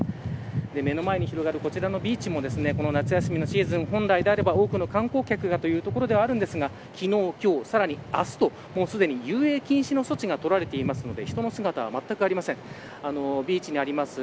目の前に広がるこちらのビーチも夏休みのシーズン、本来であれば多くの観光客がというところではあるんですが昨日、今日、明日と遊泳禁止の措置が取られているので人の姿はまったくありません。